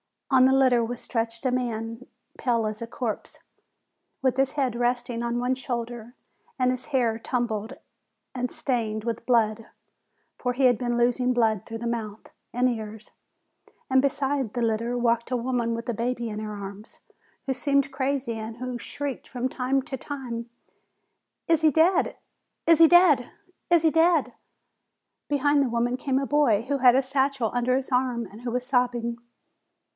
On the litter was stretched a man, pale as a corpse, with his head resting on one shoulder, and his hair tumbled and stained with blood, for he had been losing blood through the mouth 126 FEBRUARY and ears; and beside the litter walked a woman with a baby in her arms, who seemed crazy, and who shrieked from time to time, "He is dead! He is dead! He is dead!" Behind the woman came a boy who had a satchel under his arm and who was sobbing.